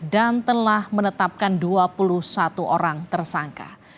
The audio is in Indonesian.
dan telah menetapkan dua puluh satu orang tersangka